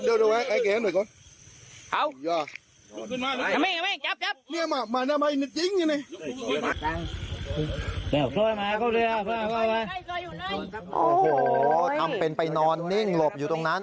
โอ้โหทำเป็นไปนอนนิ่งหลบอยู่ตรงนั้น